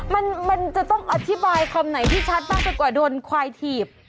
มันจะต้องอธิบายคำไหนที่ชัดมากไปกว่าโดนควายถีบ